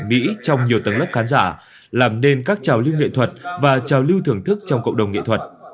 mỹ trong nhiều tầng lớp khán giả làm nên các trào lưu nghệ thuật và trào lưu thưởng thức trong cộng đồng nghệ thuật